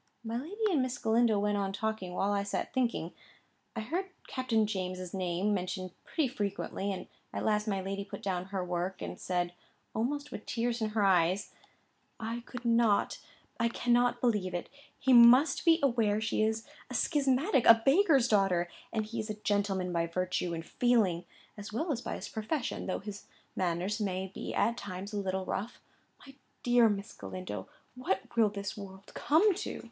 My lady and Miss Galindo went on talking, while I sat thinking. I heard Captain James's name mentioned pretty frequently; and at last my lady put down her work, and said, almost with tears in her eyes: "I could not—I cannot believe it. He must be aware she is a schismatic; a baker's daughter; and he is a gentleman by virtue and feeling, as well as by his profession, though his manners may be at times a little rough. My dear Miss Galindo, what will this world come to?"